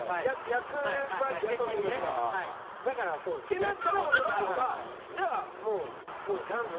ってなったら俺はじゃあもうそうじゃんって。